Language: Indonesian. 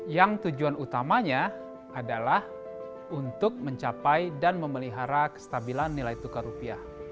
yang tujuan utamanya adalah untuk mencapai dan memelihara kestabilan nilai tukar rupiah